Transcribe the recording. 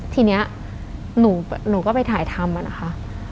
ทีนี้หนูก็ไปถ่ายธรรมอะนะคะ